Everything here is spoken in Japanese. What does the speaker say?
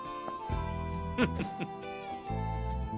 フフフ。